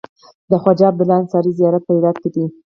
د خواجه عبدالله انصاري زيارت په هرات کی دی